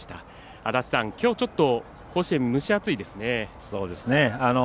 足達さん、きょうはちょっと甲子園蒸し暑いですね。